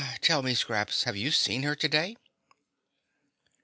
"Tell me, Scraps, have you seen her today?"